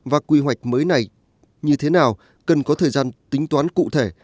và quy hoạch mới này như thế nào cần có thời gian tính toán cụ thể